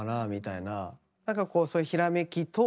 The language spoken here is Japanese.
なんかこうそういうひらめきと。